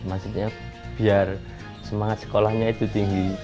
maksudnya biar semangat sekolahnya itu tinggi